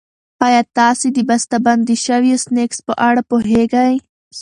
ایا تاسو د بستهبندي شويو سنکس په اړه پوهېږئ؟